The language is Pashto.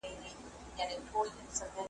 هم یې توري هم یې غشي جوړوله ,